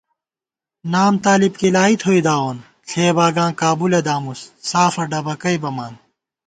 نام طالِبکِلائی تھوئیداوون ݪے باگاں کا بُلہ دامُس سافہ ڈبَکَئ بَمان